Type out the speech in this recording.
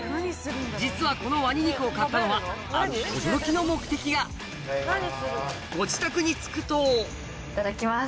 実はこのワニ肉を買ったのはご自宅に着くといただきます。